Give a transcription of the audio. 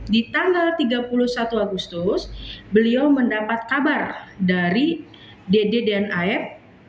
di tanggal tiga puluh satu agustus beliau mendapat kabar dari dd dan af